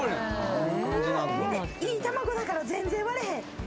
いい卵だから全然割れへん。